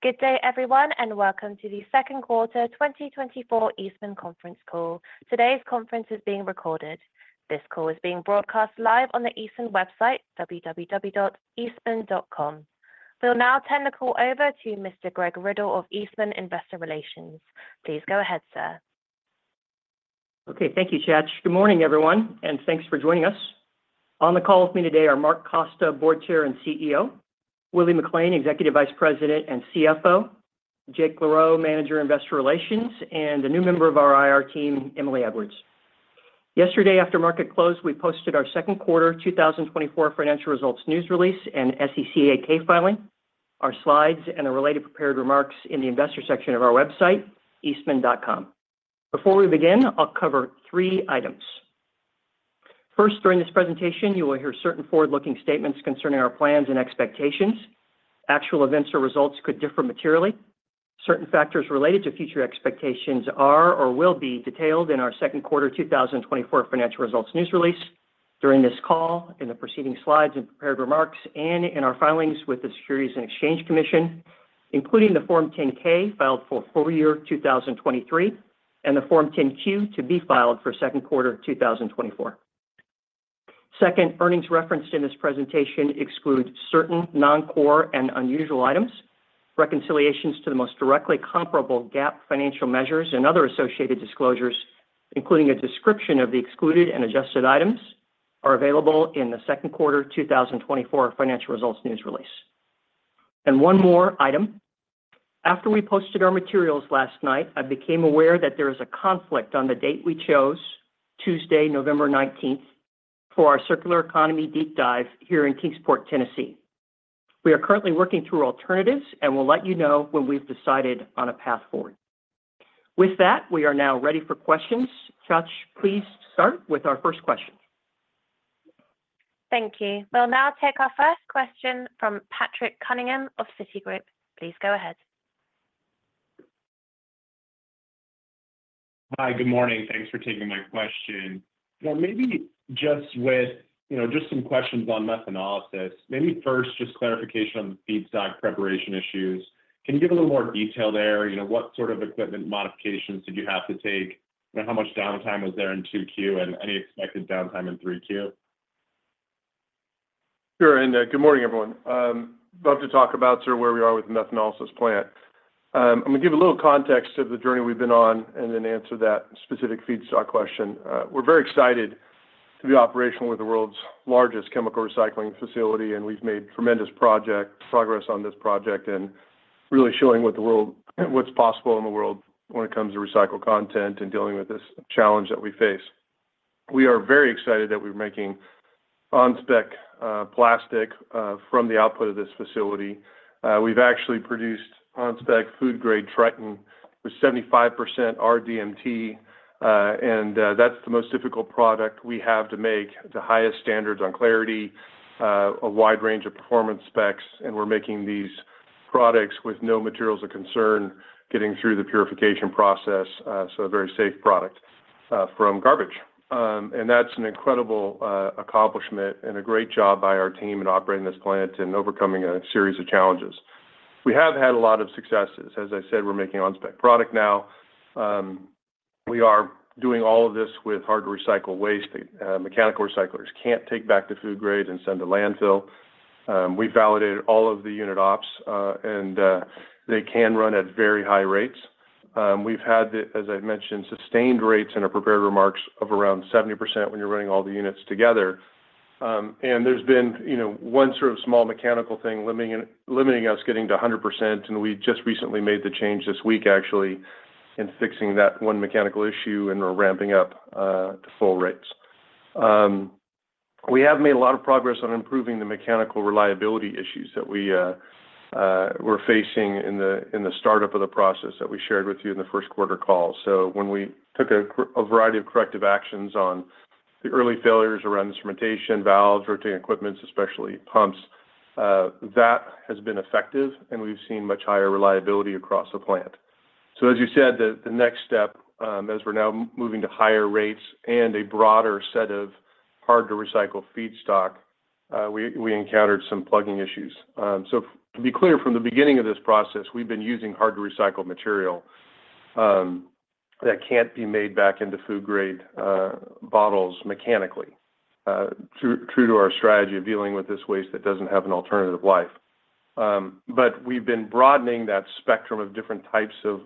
Good day, everyone, and welcome to the second quarter 2024 Eastman conference call. Today's conference is being recorded. This call is being broadcast live on the Eastman website, www.eastman.com. We'll now turn the call over to Mr. Greg Riddle of Eastman Investor Relations. Please go ahead, sir. Okay, thank you, Chad. Good morning, everyone, and thanks for joining us. On the call with me today are Mark Costa, Board Chair and CEO; Willie McLain, Executive Vice President and CFO; Jake Garey, Manager, Investor Relations, and a new member of our IR team, Emily Edwards. Yesterday, after market close, we posted our second quarter 2024 financial results news release and SEC 8-K filing, our slides, and the related prepared remarks in the investor section of our website, eastman.com. Before we begin, I'll cover three items. First, during this presentation, you will hear certain forward-looking statements concerning our plans and expectations. Actual events or results could differ materially. Certain factors related to future expectations are or will be detailed in our second quarter 2024 financial results news release during this call, in the preceding slides and prepared remarks, and in our filings with the Securities and Exchange Commission, including the Form 10-K filed for full year 2023 and the Form 10-Q to be filed for second quarter 2024. Second, earnings referenced in this presentation exclude certain non-core and unusual items. Reconciliations to the most directly comparable GAAP financial measures and other associated disclosures, including a description of the excluded and adjusted items, are available in the second quarter 2024 financial results news release. And one more item. After we posted our materials last night, I became aware that there is a conflict on the date we chose, Tuesday, November nineteenth, for our Circular Economy deep dive here in Kingsport, Tennessee. We are currently working through alternatives and we'll let you know when we've decided on a path forward. With that, we are now ready for questions. Josh, please start with our first question. Thank you. We'll now take our first question from Patrick Cunningham of Citigroup. Please go ahead. Hi, good morning. Thanks for taking my question. Yeah, maybe just with, you know, just some questions on methanolysis. Maybe first, just clarification on the feedstock preparation issues. Can you give a little more detail there? You know, what sort of equipment modifications did you have to take? How much downtime was there in 2Q and any expected downtime in 3Q? Sure, and good morning, everyone. Love to talk about sort of where we are with the methanolysis plant. I'm going to give a little context to the journey we've been on and then answer that specific feedstock question. We're very excited to be operational with the world's largest chemical recycling facility, and we've made tremendous progress on this project and really showing what's possible in the world when it comes to recycled content and dealing with this challenge that we face. We are very excited that we're making on-spec plastic from the output of this facility. We've actually produced on-spec food grade Tritan with 75% rDMT, and that's the most difficult product we have to make to highest standards on clarity, a wide range of performance specs, and we're making these products with no materials of concern, getting through the purification process, so a very safe product from garbage. And that's an incredible accomplishment and a great job by our team in operating this plant and overcoming a series of challenges. We have had a lot of successes. As I said, we're making on-spec product now. We are doing all of this with hard-to-recycle waste. Mechanical recyclers can't take back the food grade and send to landfill. We validated all of the unit ops, and they can run at very high rates. We've had, as I've mentioned, sustained rates in our prepared remarks of around 70% when you're running all the units together. And there's been, you know, one sort of small mechanical thing limiting us getting to a 100%, and we just recently made the change this week, actually, in fixing that one mechanical issue, and we're ramping up to full rates. We have made a lot of progress on improving the mechanical reliability issues that we were facing in the startup of the process that we shared with you in the first quarter call. So when we took a variety of corrective actions on the early failures around instrumentation, valves, rotating equipment, especially pumps, that has been effective and we've seen much higher reliability across the plant. So as you said, the next step, as we're now moving to higher rates and a broader set of hard-to-recycle feedstock, we encountered some plugging issues. So to be clear, from the beginning of this process, we've been using hard-to-recycle material that can't be made back into food grade bottles mechanically, true to our strategy of dealing with this waste that doesn't have an alternative life. But we've been broadening that spectrum of different types of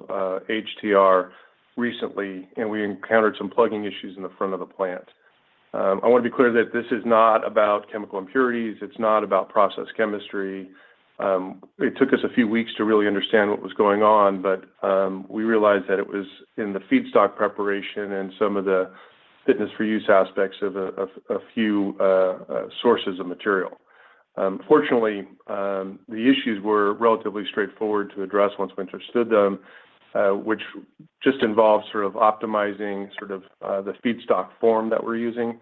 HTR recently, and we encountered some plugging issues in the front of the plant. I want to be clear that this is not about chemical impurities; it's not about process chemistry. It took us a few weeks to really understand what was going on, but we realized that it was in the feedstock preparation and some of the fitness for use aspects of a few sources of material. Fortunately, the issues were relatively straightforward to address once we understood them, which just involves sort of optimizing the feedstock form that we're using,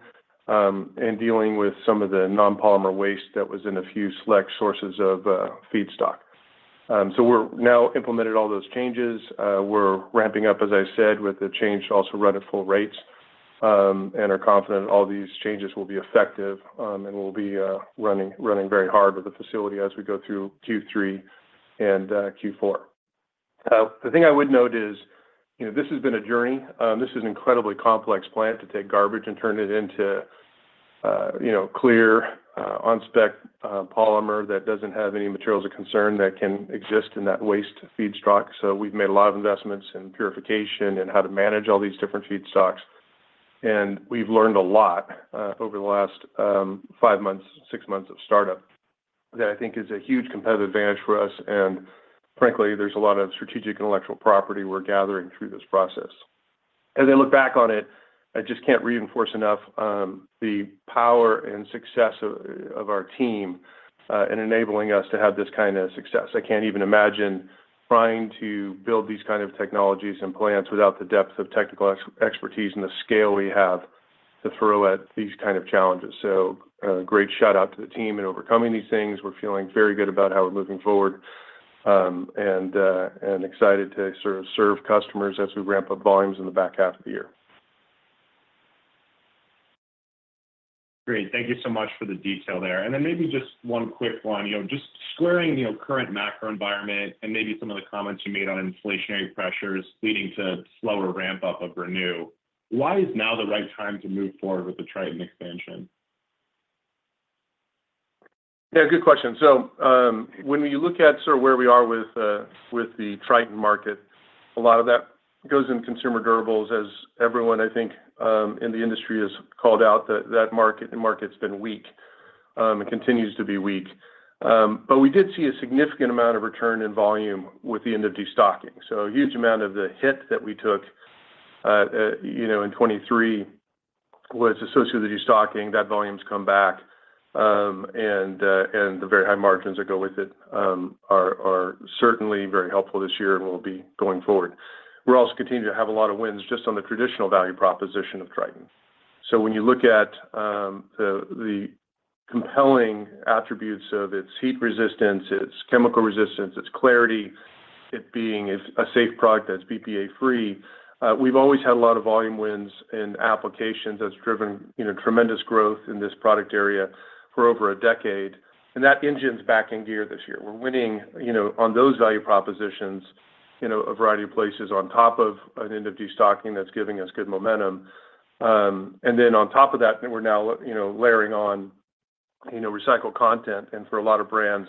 and dealing with some of the non-polymer waste that was in a few select sources of feedstock. So we've now implemented all those changes. We're ramping up, as I said, with the change to also run at full rates and are confident all these changes will be effective, and we'll be running, running very hard with the facility as we go through Q3 and Q4. The thing I would note is, you know, this has been a journey. This is an incredibly complex plant to take garbage and turn it into, you know, clear, on-spec, polymer that doesn't have any materials of concern that can exist in that waste feedstock. So we've made a lot of investments in purification and how to manage all these different feedstocks, and we've learned a lot, over the last, five months, six months of startup, that I think is a huge competitive advantage for us, and frankly, there's a lot of strategic intellectual property we're gathering through this process. As I look back on it, I just can't reinforce enough, the power and success of our team, in enabling us to have this kind of success. I can't even imagine trying to build these kind of technologies and plants without the depth of technical expertise and the scale we have to throw at these kind of challenges. So, great shout-out to the team in overcoming these things. We're feeling very good about how we're moving forward, and excited to sort of serve customers as we ramp up volumes in the back half of the year. Great. Thank you so much for the detail there. And then maybe just one quick one. You know, just squaring, you know, current macro environment and maybe some of the comments you made on inflationary pressures leading to slower ramp-up of Renew, why is now the right time to move forward with the Tritan expansion? Yeah, good question. So, when you look at sort of where we are with the Tritan market, a lot of that goes in consumer durables. As everyone, I think, in the industry has called out, that market, the market's been weak and continues to be weak. But we did see a significant amount of return in volume with the end of destocking. So a huge amount of the hit that we took, you know, in 2023 was associated with destocking. That volume's come back, and the very high margins that go with it are certainly very helpful this year and will be going forward. We're also continuing to have a lot of wins just on the traditional value proposition of Tritan. So when you look at the compelling attributes of its heat resistance, its chemical resistance, its clarity, it being a safe product that's BPA-free, we've always had a lot of volume wins in applications that's driven, you know, tremendous growth in this product area for over a decade, and that engine's back in gear this year. We're winning, you know, on those value propositions, you know, a variety of places on top of an end of destocking that's giving us good momentum. And then on top of that, we're now, you know, layering on, you know, recycled content, and for a lot of brands,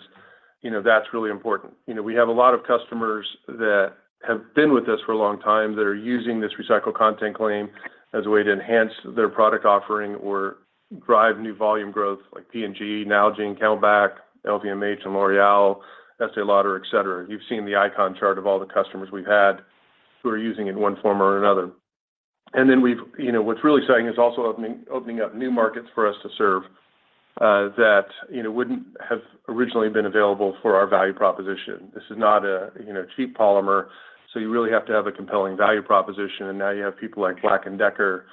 you know, that's really important. You know, we have a lot of customers that have been with us for a long time, that are using this recycled content claim as a way to enhance their product offering or drive new volume growth, like P&G, Nalgene, CamelBak, LVMH, and L'Oréal, Estée Lauder, et cetera. You've seen the icon chart of all the customers we've had who are using it in one form or another. And then we've, you know, what's really exciting is also opening up new markets for us to serve, that, you know, wouldn't have originally been available for our value proposition. This is not a, you know, cheap polymer, so you really have to have a compelling value proposition. And now you have people like Black & Decker,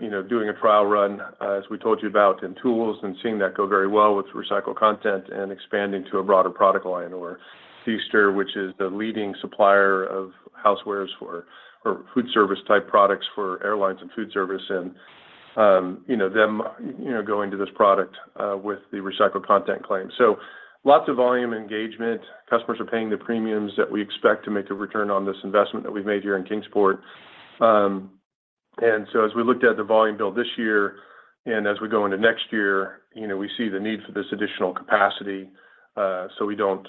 you know, doing a trial run, as we told you about, in tools, and seeing that go very well with recycled content and expanding to a broader product line. Or deSter, which is the leading supplier of housewares for, or food service type products for airlines and food service, and, you know, them, you know, going to this product, with the recycled content claim. So lots of volume engagement. Customers are paying the premiums that we expect to make a return on this investment that we've made here in Kingsport. And so as we looked at the volume build this year, and as we go into next year, you know, we see the need for this additional capacity, so we don't,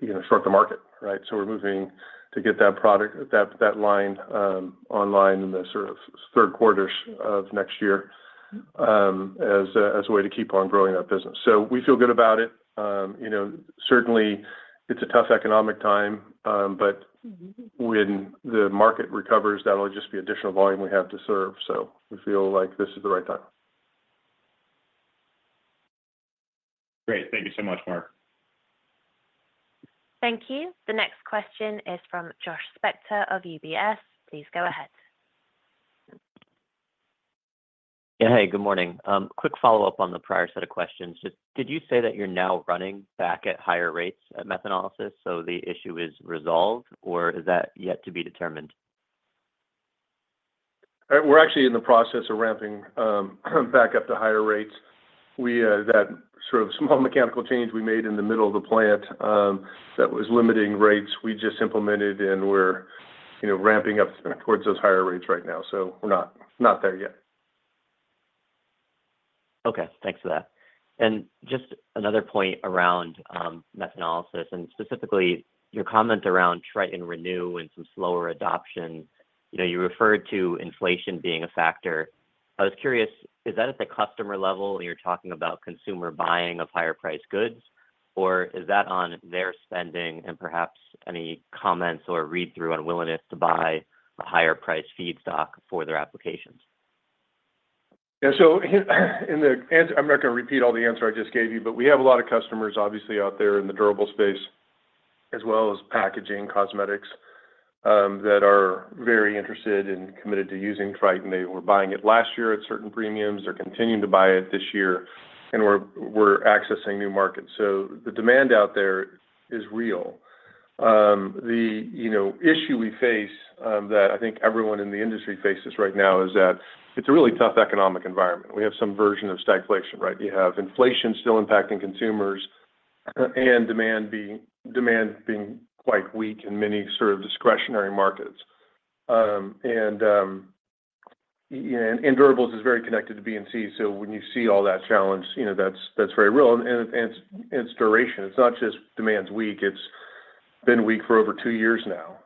you know, short the market, right? So we're moving to get that product, that line online in the sort of third quarter of next year, as a way to keep on growing that business. So we feel good about it. You know, certainly it's a tough economic time, but when the market recovers, that'll just be additional volume we have to serve. So we feel like this is the right time. Great. Thank you so much, Mark. Thank you. The next question is from Josh Spector of UBS. Please go ahead. Yeah. Hey, good morning. Quick follow-up on the prior set of questions. Did you say that you're now running back at higher rates at methanolysis, so the issue is resolved, or is that yet to be determined? We're actually in the process of ramping back up to higher rates. That sort of small mechanical change we made in the middle of the plant that was limiting rates, we just implemented, and we're, you know, ramping up towards those higher rates right now, so we're not there yet. Okay, thanks for that. Just another point around methanolysis, and specifically, your comment around Tritan Renew and some slower adoption. You know, you referred to inflation being a factor. I was curious, is that at the customer level, when you're talking about consumer buying of higher-priced goods, or is that on their spending and perhaps any comments or read-through on willingness to buy a higher-priced feedstock for their applications? Yeah. So in the answer I'm not going to repeat all the answer I just gave you, but we have a lot of customers, obviously, out there in the durable space, as well as packaging, cosmetics, that are very interested and committed to using Tritan. They were buying it last year at certain premiums. They're continuing to buy it this year, and we're accessing new markets. So the demand out there is real. The issue we face, you know, that I think everyone in the industry faces right now is that it's a really tough economic environment. We have some version of stagflation, right? You have inflation still impacting consumers, and demand being quite weak in many sort of discretionary markets. Yeah, durables is very connected to B&C, so when you see all that challenge, you know, that's, that's very real, and, and it's, it's duration. It's not just demand's weak, it's been weak for over 2 years now.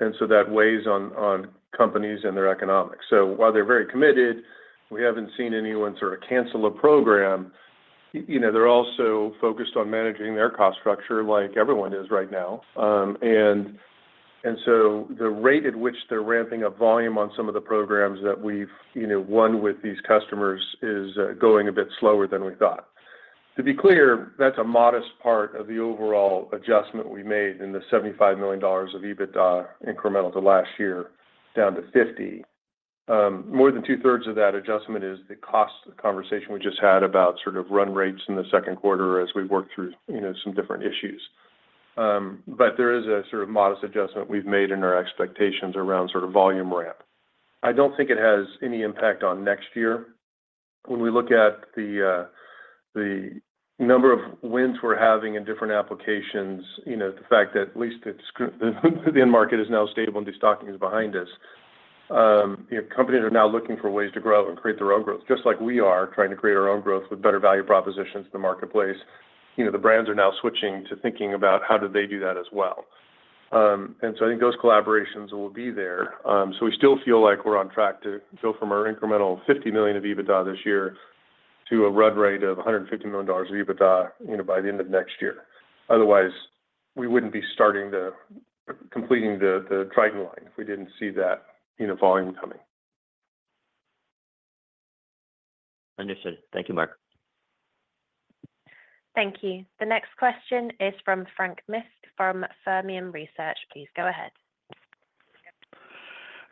And so that weighs on, on companies and their economics. So while they're very committed, we haven't seen anyone sort of cancel a program. You know, they're also focused on managing their cost structure like everyone is right now. And so the rate at which they're ramping up volume on some of the programs that we've, you know, won with these customers is going a bit slower than we thought. To be clear, that's a modest part of the overall adjustment we made in the $75 million of EBITDA incremental to last year, down to $50 million. More than two-thirds of that adjustment is the cost conversation we just had about sort of run rates in the second quarter as we work through, you know, some different issues. But there is a sort of modest adjustment we've made in our expectations around sort of volume ramp. I don't think it has any impact on next year. When we look at the number of wins we're having in different applications, you know, the fact that at least it's the end market is now stable and destocking is behind us. You know, companies are now looking for ways to grow and create their own growth, just like we are trying to create our own growth with better value propositions in the marketplace. You know, the brands are now switching to thinking about how do they do that as well. And so I think those collaborations will be there. So we still feel like we're on track to go from our incremental $50 million of EBITDA this year to a run rate of $150 million of EBITDA, you know, by the end of next year. Otherwise, we wouldn't be completing the Tritan line if we didn't see that, you know, volume coming. Understood. Thank you, Mark. Thank you. The next question is from Frank Mitsch, from Fermium Research. Please go ahead.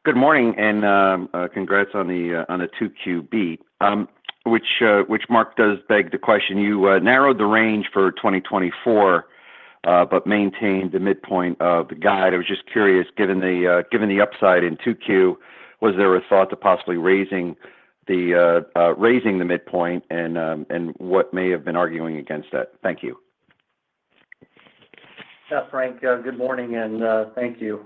Good morning, and congrats on a 2Q beat. Which, Mark, does beg the question, you narrowed the range for 2024, but maintained the midpoint of the guide. I was just curious, given the upside in 2Q, was there a thought to possibly raising the midpoint and what may have been arguing against that? Thank you. Yeah, Frank, good morning, and thank you.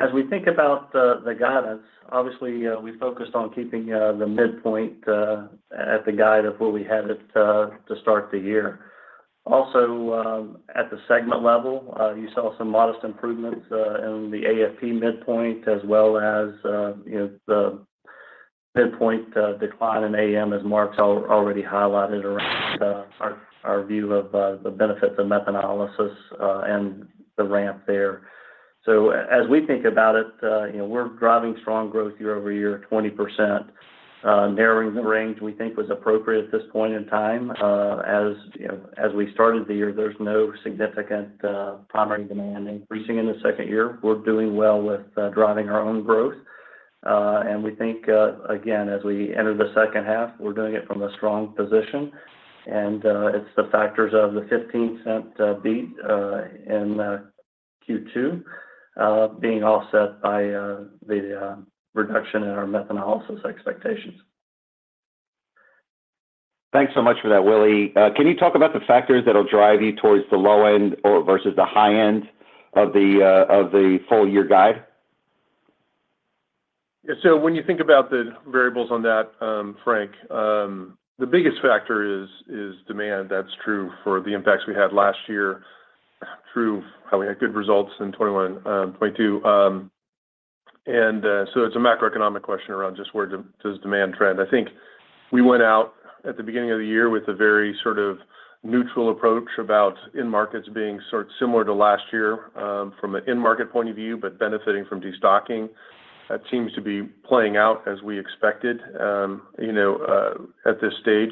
As we think about the guidance, obviously, we focused on keeping the midpoint at the guide of where we had it to start the year. Also, at the segment level, you saw some modest improvements in the AFP midpoint, as well as, you know, the midpoint decline in AM, as Mark's already highlighted around our view of the benefits of methanolysis and the ramp there. So as we think about it, you know, we're driving strong growth year-over-year, 20%. Narrowing the range, we think was appropriate at this point in time. As you know, as we started the year, there's no significant primary demand increasing in the second year. We're doing well with driving our own growth. And we think, again, as we enter the second half, we're doing it from a strong position, and it's the factors of the $0.15 beat in Q2 being offset by the reduction in our methanolysis expectations. Thanks so much for that, Willy. Can you talk about the factors that will drive you towards the low end or versus the high end of the full year guide? Yeah. So when you think about the variables on that, Frank, the biggest factor is demand. That's true for the impacts we had last year, true, how we had good results in 2021, 2022. And, so it's a macroeconomic question around just where does demand trend. I think we went out at the beginning of the year with a very sort of neutral approach about end markets being sort similar to last year, from an end-market point of view, but benefiting from destocking. That seems to be playing out as we expected, you know, at this stage.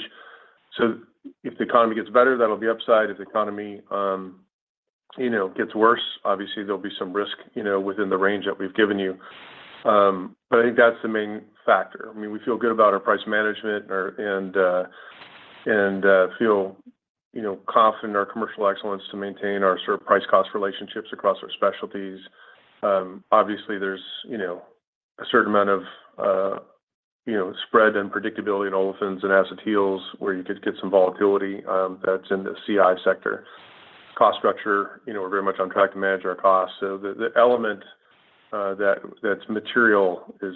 So if the economy gets better, that'll be upside. If the economy, you know, gets worse, obviously, there'll be some risk, you know, within the range that we've given you. But I think that's the main factor. I mean, we feel good about our price management and feel, you know, confident in our commercial excellence to maintain our sort of price-cost relationships across our specialties. Obviously, there's, you know, a certain amount of, you know, spread and predictability in olefins and acetyls, where you could get some volatility, that's in the CI sector. Cost structure, you know, we're very much on track to manage our costs. So the element that's material is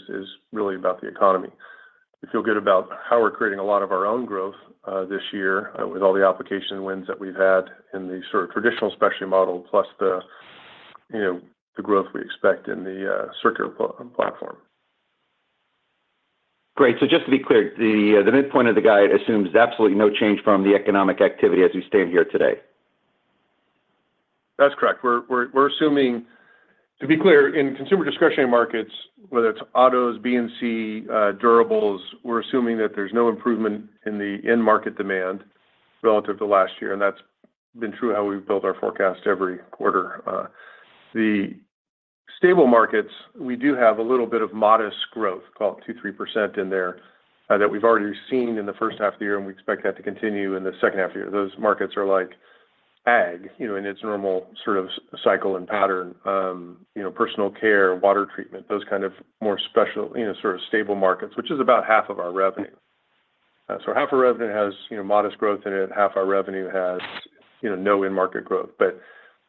really about the economy. We feel good about how we're creating a lot of our own growth this year with all the application wins that we've had in the sort of traditional specialty model, plus the, you know, the growth we expect in the circular platform. Great. So just to be clear, the midpoint of the guide assumes absolutely no change from the economic activity as we stand here today? That's correct. We're assuming. To be clear, in consumer discretionary markets, whether it's autos, B&C, durables, we're assuming that there's no improvement in the end market demand relative to last year, and that's been true how we've built our forecast every quarter. The stable markets, we do have a little bit of modest growth, call it 2%-3% in there, that we've already seen in the first half of the year, and we expect that to continue in the second half of the year. Those markets are like ag, you know, in its normal sort of cycle and pattern, you know, personal care, water treatment, those kind of more special, you know, sort of stable markets, which is about half of our revenue. So half our revenue has, you know, modest growth in it, half our revenue has, you know, no end market growth. But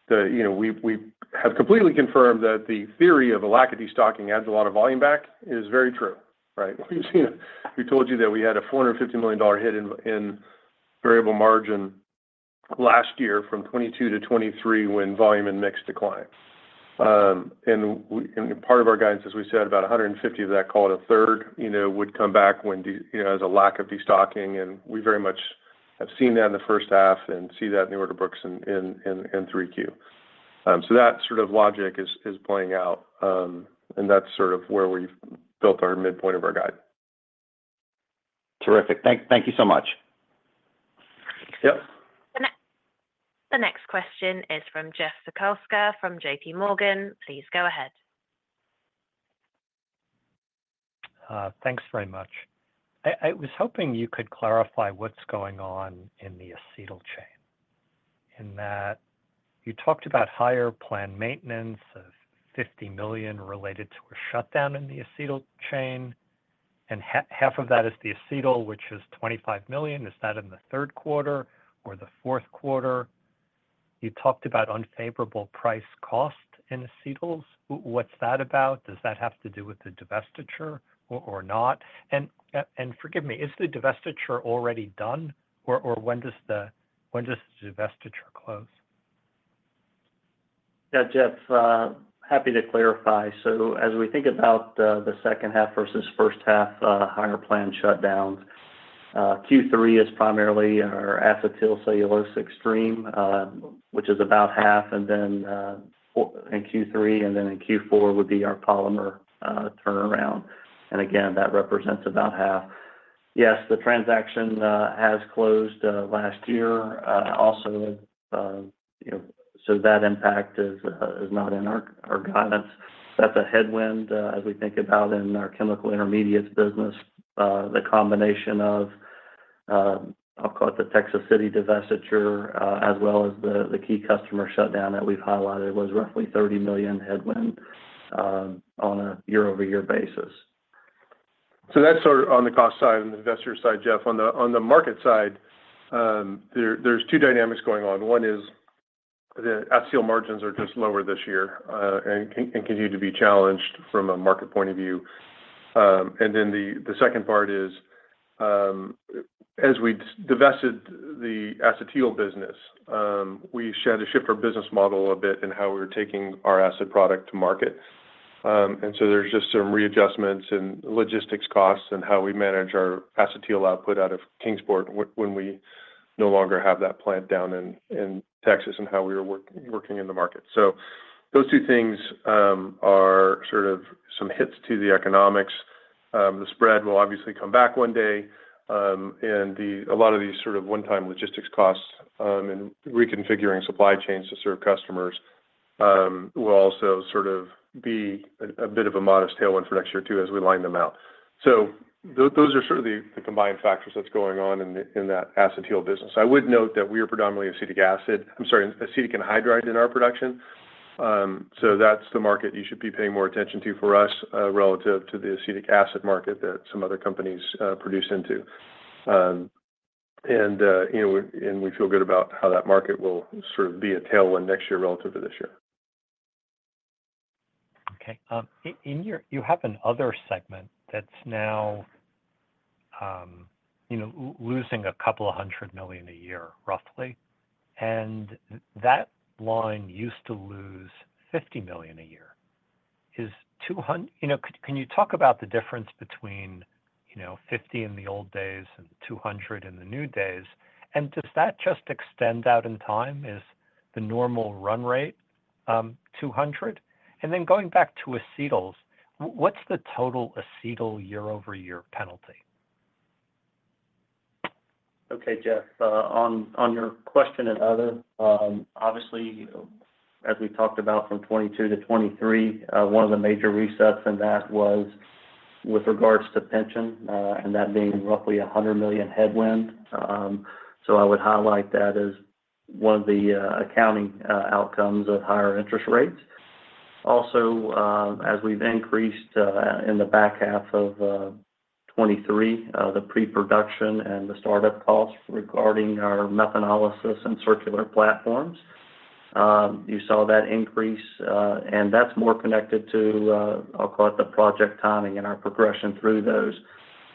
the—you know, we've, we have completely confirmed that the theory of a lack of destocking adds a lot of volume back is very true, right? We told you that we had a $450 million hit in variable margin last year from 2022 to 2023 when volume and mix declined. And part of our guidance, as we said, about 150 of that, call it a third, you know, would come back when de—you know, as a lack of destocking, and we very much have seen that in the first half and see that in the order books in 3Q. So that sort of logic is playing out, and that's sort of where we've built our midpoint of our guide. Terrific. Thank you so much. Yep. The next question is from Jeff Zekauskas, from J.P. Morgan. Please go ahead. Thanks very much. I was hoping you could clarify what's going on in the acetyl chain, in that you talked about higher planned maintenance of $50 million related to a shutdown in the acetyl chain, and half of that is the acetyl, which is $25 million. Is that in the third quarter or the fourth quarter? You talked about unfavorable price cost in acetyls. What's that about? Does that have to do with the divestiture or not? And forgive me, is the divestiture already done, or when does the divestiture close? Yeah, Jeff, happy to clarify. So as we think about the second half versus first half, higher planned shutdowns, Q3 is primarily our acetyl cellulose stream, which is about half, and then in Q4. In Q3, and then in Q4 would be our polymer turnaround. And again, that represents about half. Yes, the transaction has closed last year. Also, you know, so that impact is not in our guidance. That's a headwind as we think about in our Chemical Intermediates business. The combination of, I'll call it the Texas City divestiture, as well as the key customer shutdown that we've highlighted, was roughly $30 million headwind on a year-over-year basis. So that's sort of on the cost side and the investor side, Jeff. On the market side, there's two dynamics going on. One is the acetyl margins are just lower this year, and continue to be challenged from a market point of view. And then the second part is, as we divested the acetyl business, we had to shift our business model a bit in how we were taking our acid product to market. And so there's just some readjustments and logistics costs in how we manage our acetyl output out of Kingsport when we no longer have that plant down in Texas and how we were working in the market. So those two things are sort of some hits to the economics. The spread will obviously come back one day, and the—a lot of these sort of one-time logistics costs, and reconfiguring supply chains to serve customers, will also sort of be a, a bit of a modest tailwind for next year, too, as we line them out. So those are sort of the, the combined factors that's going on in the, in that acetyl business. I would note that we are predominantly acetic acid—I'm sorry, acetic anhydride in our production. So that's the market you should be paying more attention to for us, relative to the acetic acid market that some other companies, produce into. And, you know, and we feel good about how that market will sort of be a tailwind next year relative to this year. Okay, in your-- you have Other segment that's now, you know, losing a couple of hundred million a year, roughly, and that line used to lose $50 million a year. Is two hundred-- you know, can you talk about the difference between, you know, fifty in the old days and two hundred in the new days? And does that just extend out in time as the normal run rate, two hundred? And then going back to acetyls, what's the total acetyl year-over-year penalty? Okay, Jeff, on your question on Other, obviously, as we talked about from 2022 to 2023, one of the major resets in that was with regards to pension, and that being roughly $100 million headwind. So I would highlight that as one of the accounting outcomes of higher interest rates. Also, as we've increased in the back half of 2023, the pre-production and the startup costs regarding our methanolysis and circular platforms, you saw that increase, and that's more connected to, I'll call it the project timing and our progression through those.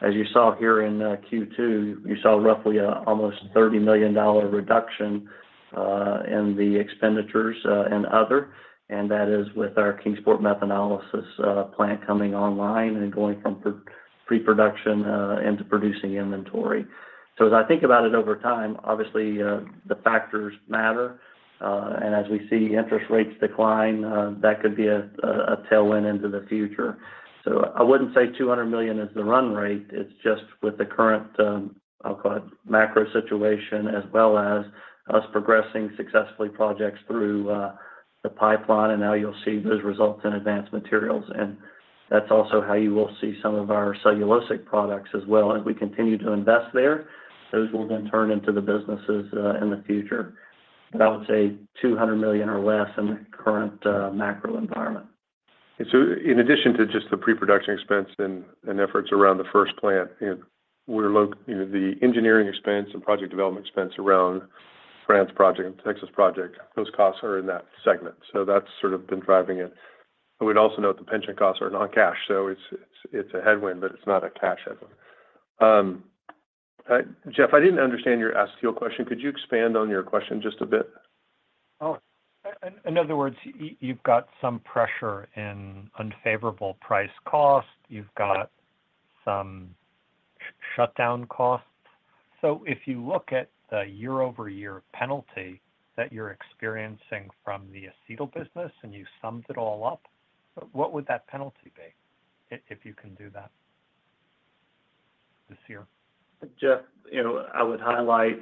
As you saw here in Q2, you saw roughly almost $30 million reduction in the expenditures and other, and that is with our Kingsport methanolysis plant coming online and going from pre-production into producing inventory. So as I think about it over time, obviously, the factors matter, and as we see interest rates decline, that could be a tailwind into the future. So I wouldn't say $200 million is the run rate, it's just with the current, I'll call it, macro situation, as well as us progressing successfully projects through the pipeline, and now you'll see those results Advanced Materials and Other. that's also how you will see some of our cellulosic products as well. As we continue to invest there, those will then turn into the businesses in the future. But I would say $200 million or less in the current macro environment. And so in addition to just the pre-production expense and efforts around the first plant, you know, the engineering expense and project development expense around France project and Texas project, those costs are in that segment, so that's sort of been driving it. I would also note the pension costs are non-cash, so it's a headwind, but it's not a cash headwind. Jeff, I didn't understand your acetyl question. Could you expand on your question just a bit? Oh, in other words, you've got some pressure in unfavorable price cost. You've got some shutdown costs. So if you look at the year-over-year penalty that you're experiencing from the acetyl business, and you summed it all up, what would that penalty be, if you can do that this year? Jeff, you know, I would highlight,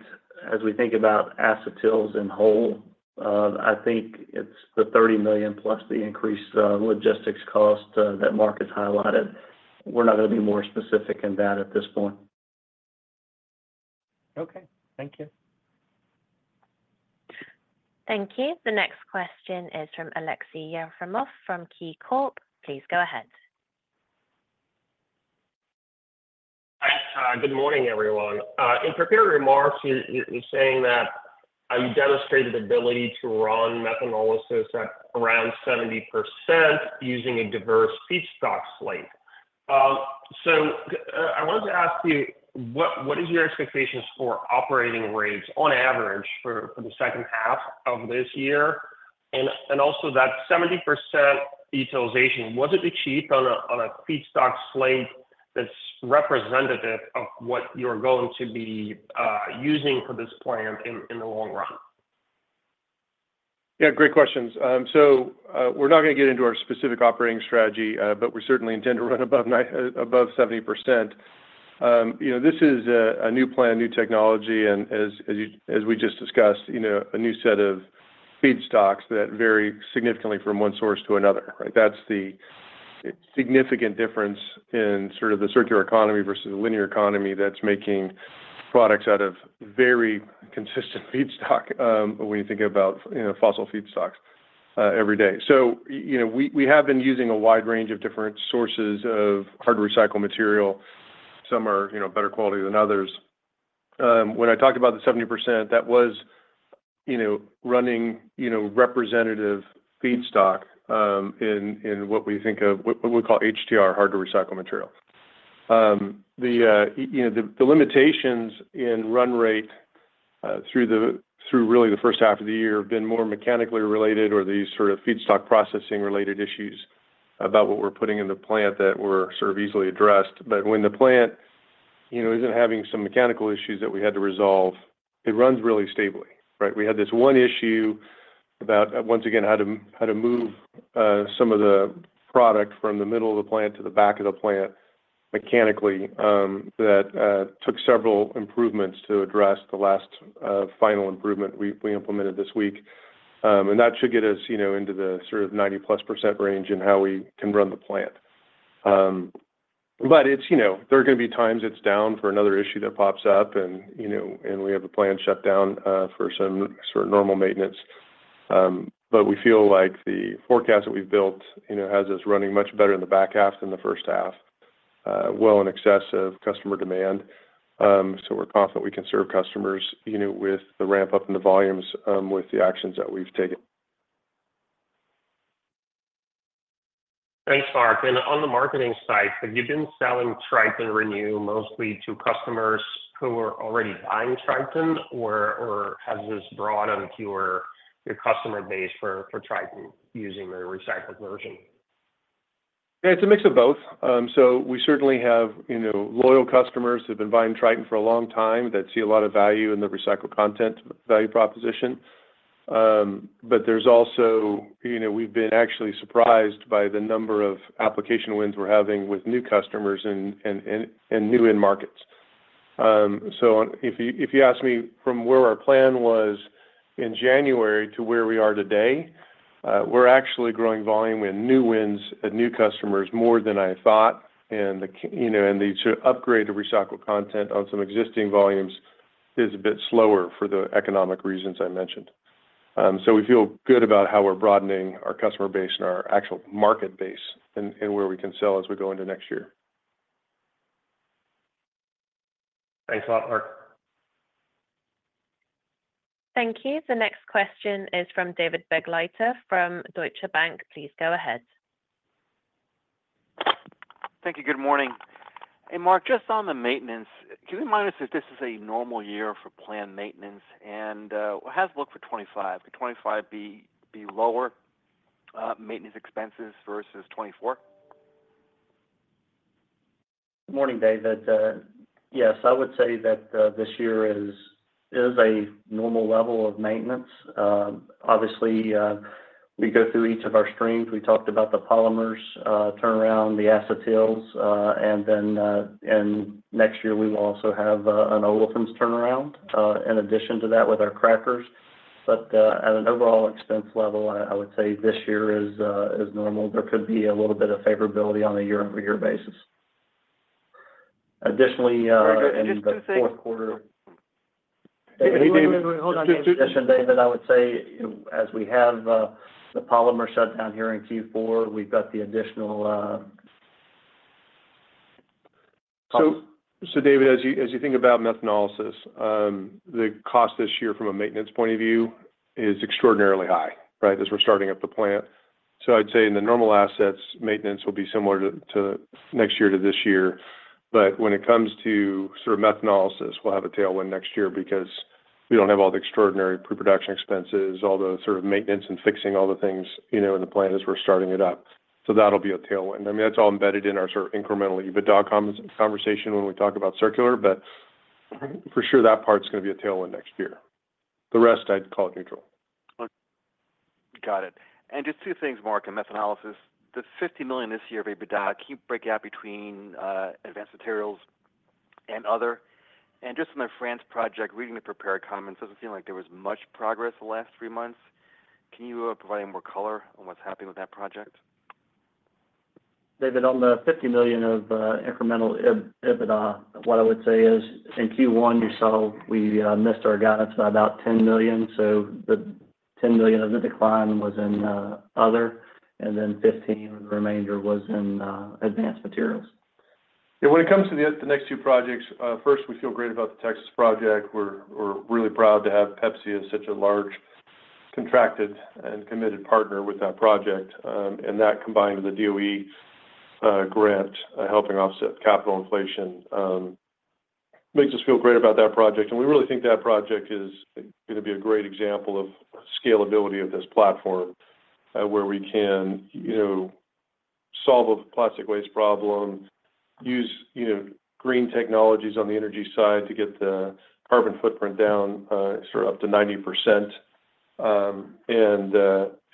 as we think about acetyls in whole, I think it's the $30 million plus the increased logistics cost that Mark has highlighted. We're not going to be more specific in that at this point. Okay. Thank you. Thank you. The next question is from Aleksey Yefremov from KeyCorp. Please go ahead. Hi. Good morning, everyone. In prepared remarks, you saying that, "I've demonstrated ability to run methanolysis at around 70% using a diverse feedstock slate." So, I wanted to ask you, what is your expectations for operating rates on average for the second half of this year? And also that 70% utilization, was it achieved on a feedstock slate that's representative of what you're going to be using for this plant in the long run? Yeah, great questions. So, we're not going to get into our specific operating strategy, but we certainly intend to run above nine-- above 70%. You know, this is a new plan, new technology, and as we just discussed, you know, a new set of feedstocks that vary significantly from one source to another, right? That's the significant difference in sort of the circular economy versus the linear economy that's making products out of very consistent feedstock, when you think about, you know, fossil feedstocks, every day. So you know, we have been using a wide range of different sources of hard-to-recycle material. Some are, you know, better quality than others. When I talked about the 70%, that was, you know, running, you know, representative feedstock, in what we think of... What we call HTR, hard-to-recycle material. You know, the limitations in run rate through really the first half of the year have been more mechanically related or these sort of feedstock processing related issues about what we're putting in the plant that were sort of easily addressed. But when the plant, you know, isn't having some mechanical issues that we had to resolve, it runs really stably, right? We had this one issue about, once again, how to move some of the product from the middle of the plant to the back of the plant mechanically, that took several improvements to address. The last final improvement we implemented this week, and that should get us, you know, into the sort of 90%+ range in how we can run the plant. But it's, you know, there are going to be times it's down for another issue that pops up and, you know, and we have a plant shut down for some sort of normal maintenance. But we feel like the forecast that we've built, you know, has us running much better in the back half than the first half, well, in excess of customer demand. So we're confident we can serve customers, you know, with the ramp up in the volumes with the actions that we've taken. Thanks, Mark. And on the marketing side, have you been selling Tritan Renew mostly to customers who are already buying Tritan, or has this broadened your customer base for Tritan using the recycled version? Yeah, it's a mix of both. So we certainly have, you know, loyal customers who've been buying Tritan for a long time, that see a lot of value in the recycled content value proposition. But there's also... You know, we've been actually surprised by the number of application wins we're having with new customers and new end markets. So if you ask me from where our plan was in January to where we are today, we're actually growing volume and new wins and new customers more than I thought. And you know, the upgrade to recycled content on some existing volumes is a bit slower for the economic reasons I mentioned. So, we feel good about how we're broadening our customer base and our actual market base and, and where we can sell as we go into next year. Thanks a lot, Mark. Thank you. The next question is from David Begleiter from Deutsche Bank. Please go ahead. Thank you. Good morning. Hey, Mark, just on the maintenance, can you remind us if this is a normal year for planned maintenance, and how does it look for 2025? Will 2025 be lower maintenance expenses versus 2024? Good morning, David. Yes, I would say that this year is a normal level of maintenance. Obviously, we go through each of our streams. We talked about the polymers turnaround, the acetyls, and then, and next year, we will also have an olefins turnaround, in addition to that, with our crackers.... but at an overall expense level, I would say this year is normal. There could be a little bit of favorability on a year-over-year basis. Additionally, in the fourth quarter- Just two things. Hey, David, hold on one second. David, I would say, as we have, the polymer shutdown here in Q4, we've got the additional... So, David, as you think about methanolysis, the cost this year from a maintenance point of view is extraordinarily high, right? As we're starting up the plant. So I'd say in the normal assets, maintenance will be similar to next year to this year. But when it comes to sort of methanolysis, we'll have a tailwind next year because we don't have all the extraordinary pre-production expenses, all the sort of maintenance and fixing all the things, you know, in the plant as we're starting it up. So that'll be a tailwind. I mean, that's all embedded in our sort of incremental EBITDA conversation when we talk about circular, but for sure, that part's gonna be a tailwind next year. The rest, I'd call it neutral. Got it. Just two things, Mark, on methanolysis. The $50 million this year of EBITDA, can you break out Advanced Materials and Other? just on the France project, reading the prepared comments, doesn't seem like there was much progress the last three months. Can you provide any more color on what's happening with that project? David, on the $50 million of incremental EBITDA, what I would say is in Q1, you saw we missed our guidance by about $10 million, so the $10 million of the decline was in other, and then 15, the remainder was in Advanced Materials. Yeah, when it comes to the next two projects, first, we feel great about the Texas project. We're really proud to have Pepsi as such a large contracted and committed partner with that project. And that, combined with the DOE grant, helping offset capital inflation, makes us feel great about that project. And we really think that project is gonna be a great example of scalability of this platform, where we can, you know, solve a plastic waste problem, use, you know, green technologies on the energy side to get the carbon footprint down, sort of up to 90%.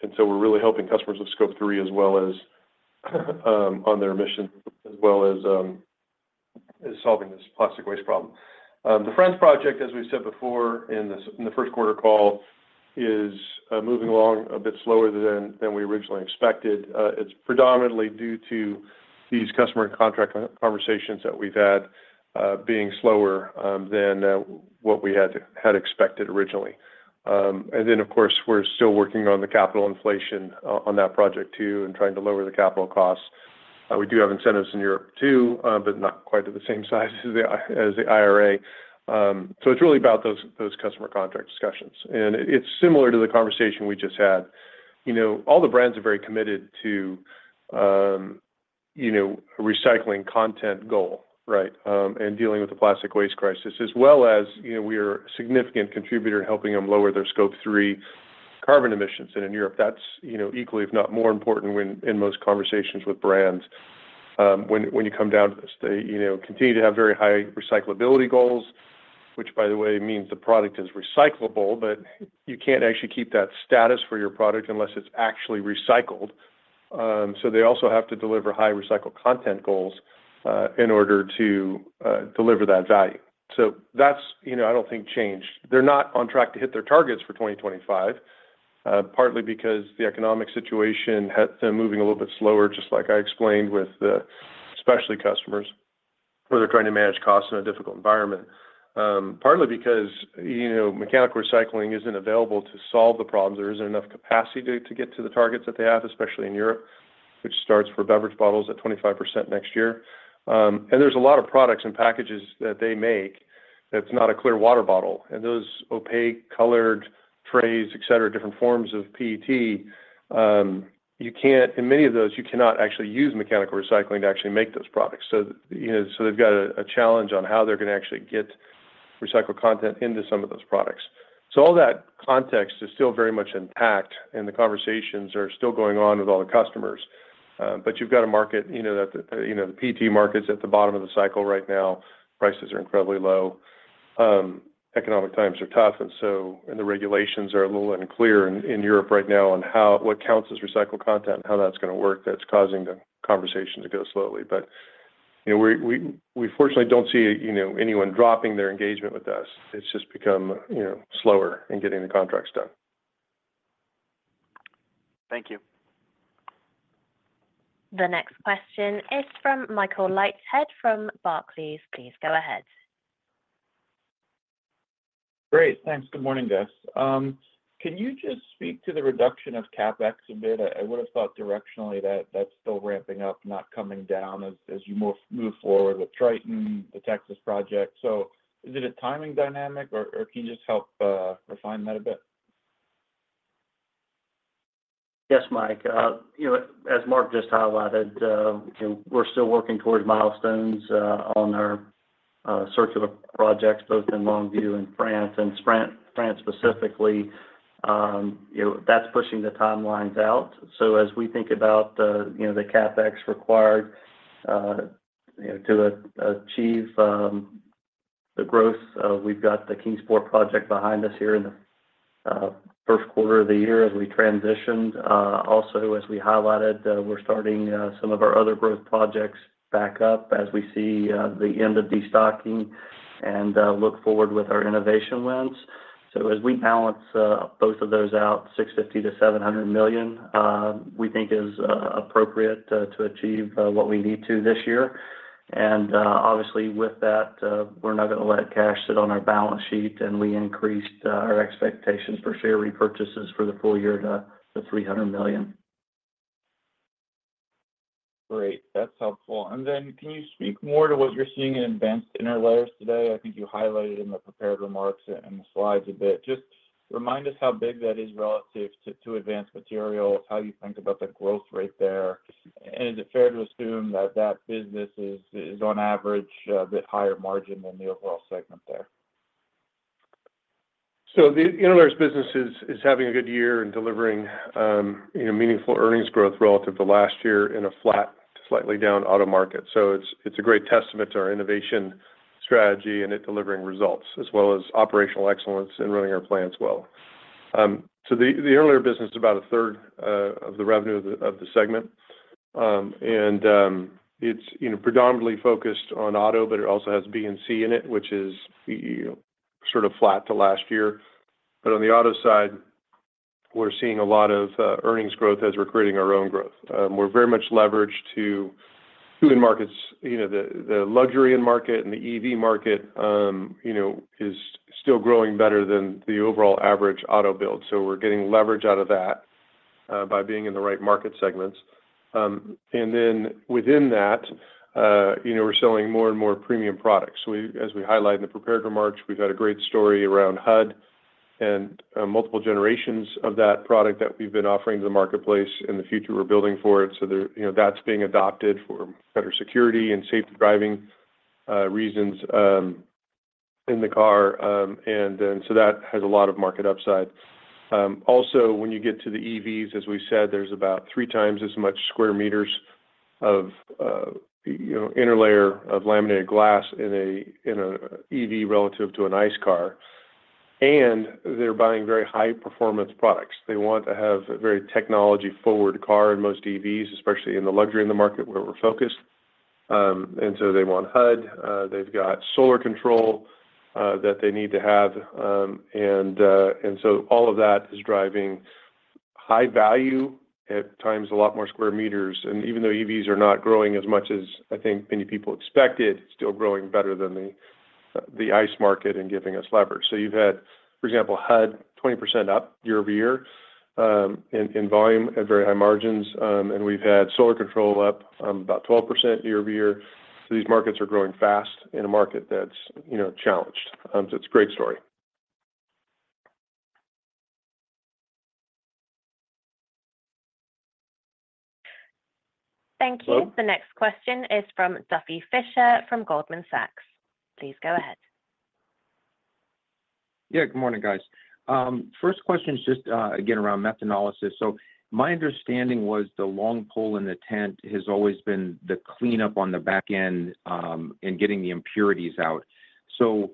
And so we're really helping customers with Scope 3 as well as on their mission, as well as, as solving this plastic waste problem. The France project, as we've said before in the first quarter call, is moving along a bit slower than we originally expected. It's predominantly due to these customer contract conversations that we've had being slower than what we had expected originally. And then, of course, we're still working on the capital inflation on that project, too, and trying to lower the capital costs. We do have incentives in Europe, too, but not quite to the same size as the IRA. So it's really about those customer contract discussions, and it's similar to the conversation we just had. You know, all the brands are very committed to, you know, a recycling content goal, right? And dealing with the plastic waste crisis, as well as, you know, we are a significant contributor helping them lower their Scope 3 carbon emissions. And in Europe, that's, you know, equally, if not more important, when in most conversations with brands. When you come down to this, they, you know, continue to have very high recyclability goals, which, by the way, means the product is recyclable, but you can't actually keep that status for your product unless it's actually recycled. So they also have to deliver high recycled content goals, in order to deliver that value. So that's, you know, I don't think changed. They're not on track to hit their targets for 2025, partly because the economic situation has been moving a little bit slower, just like I explained, with the specialty customers, where they're trying to manage costs in a difficult environment. Partly because, you know, mechanical recycling isn't available to solve the problems. There isn't enough capacity to get to the targets that they have, especially in Europe, which starts for beverage bottles at 25% next year. And there's a lot of products and packages that they make that's not a clear water bottle, and those opaque, colored trays, et cetera, different forms of PET, you can't, in many of those, you cannot actually use mechanical recycling to actually make those products. So, you know, so they've got a challenge on how they're gonna actually get recycled content into some of those products. So all that context is still very much intact, and the conversations are still going on with all the customers. But you've got a market, you know, that, you know, the PET market's at the bottom of the cycle right now. Prices are incredibly low. Economic times are tough, and so the regulations are a little unclear in Europe right now on how what counts as recycled content and how that's gonna work that's causing the conversation to go slowly. But, you know, we fortunately don't see, you know, anyone dropping their engagement with us. It's just become, you know, slower in getting the contracts done. Thank you. The next question is from Michael Leithead, from Barclays. Please go ahead. Great. Thanks. Good morning, guys. Can you just speak to the reduction of CapEx a bit? I would have thought directionally that that's still ramping up, not coming down as you move forward with Tritan, the Texas project. So is it a timing dynamic, or can you just help refine that a bit? Yes, Mike. You know, as Mark just highlighted, you know, we're still working towards milestones on our circular projects, both in Longview and France. And France specifically, you know, that's pushing the timelines out. So as we think about the, you know, the CapEx required, you know, to achieve the growth, we've got the Kingsport project behind us here in the first quarter of the year as we transitioned. Also, as we highlighted, we're starting some of our other growth projects back up as we see the end of destocking and look forward with our innovation wins. So as we balance both of those out, $650 million-$700 million we think is appropriate to achieve what we need to this year. Obviously, with that, we're not going to let cash sit on our balance sheet, and we increased our expectations for share repurchases for the full year to $300 million. Great. That's helpful. Then can you speak more to what you're seeing in Advanced Interlayers today? I think you highlighted in the prepared remarks and the slides a bit. Just remind us how big that is relative to, to Advanced Materials, how you think about the growth rate there. And is it fair to assume that that business is, is on average, a bit higher margin than the overall segment there? So the interlayers business is having a good year in delivering, you know, meaningful earnings growth relative to last year in a flat to slightly down auto market. So it's a great testament to our innovation strategy and it delivering results, as well as operational excellence in running our plants well. So the interlayers business is about a third of the revenue of the segment. And it's, you know, predominantly focused on auto, but it also has B&C in it, which is, you know, sort of flat to last year. But on the auto side, we're seeing a lot of earnings growth as we're creating our own growth. We're very much leveraged to end markets. You know, the luxury end market and the EV market, you know, is still growing better than the overall average auto build. So we're getting leverage out of that, by being in the right market segments. And then within that, you know, we're selling more and more premium products. So we-- as we highlighted in the prepared remarks, we've had a great story around HUD and, multiple generations of that product that we've been offering to the marketplace. In the future, we're building for it, so there, you know, that's being adopted for better security and safety driving, reasons, in the car. And then, so that has a lot of market upside. Also, when you get to the EVs, as we said, there's about three times as much square meters of, you know, interlayer of laminated glass in a EV relative to an ICE car, and they're buying very high-performance products. They want to have a very technology-forward car in most EVs, especially in the luxury in the market where we're focused. And so they want HUD. They've got solar control that they need to have. And so all of that is driving high value, at times, a lot more square meters. And even though EVs are not growing as much as I think many people expected, still growing better than the ICE market and giving us leverage. So you've had, for example, HUD, 20% up year-over-year in volume at very high margins. We've had solar control up about 12% year-over-year. So these markets are growing fast in a market that's, you know, challenged. It's a great story. Thank you. Hello? The next question is from Duffy Fischer from Goldman Sachs. Please go ahead. Yeah, good morning, guys. First question is just, again, around methanolysis. So my understanding was the long pole in the tent has always been the cleanup on the back end, and getting the impurities out. So